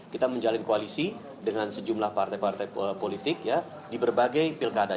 kita menjalin koalisi dengan sejumlah partai partai politik ya di berbagai pilkada